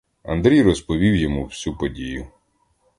Андрій розповів йому всю подію.